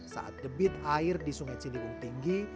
saat debit air di sungai ciliwung tinggi